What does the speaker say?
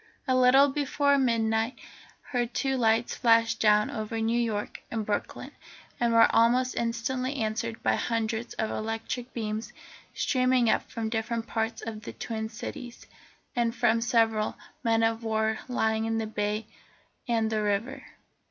A little before midnight her two lights flashed down over New York and Brooklyn, and were almost instantly answered by hundreds of electric beams streaming up from different parts of the Twin Cities, and from several men of war lying in the bay and the river.